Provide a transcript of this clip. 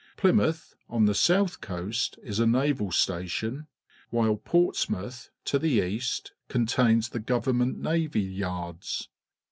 Pli^mouth, on the south coast, is a naval sta tion, while Portsmouth, to the east, contains the government navy yards.